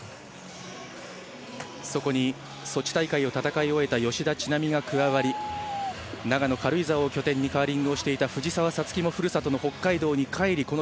そこにソチ大会を戦い終えた吉田知那美が加わり長野・軽井沢を拠点にカーリングをしていた藤澤五月もふるさとの北海道に帰り